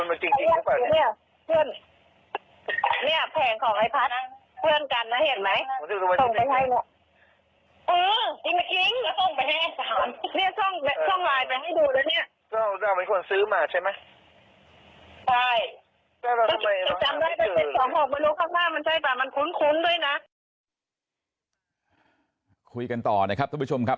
มันคุ้นคุ้นด้วยนะคุยกันต่อนะครับทุกผู้ชมครับ